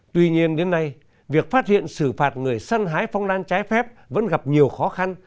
tuy nhiên đến nay việc phát hiện xử phạt người săn hái phong lan trái phép vẫn gặp nhiều khó khăn